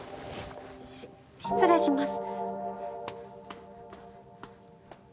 し失礼します。